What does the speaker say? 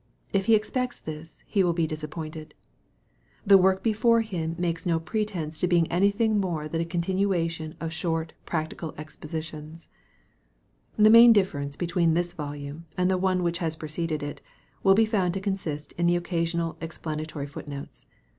If he expects this he will be dis appointed. The work before him makes no pretence to being anything more than a continuous series of short prac tical Expositions. The maui difference between this volume and the one which has preceded it, will be found to consist in the occasional explanatory foot notes.